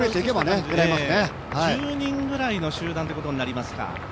１０人ぐらいの集団ということになりますか。